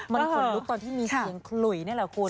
มันขนลุกตอนที่มีเสียงขลุยนี่แหละคุณ